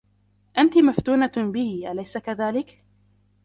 أنتِ مفتونة به أليس كذلك؟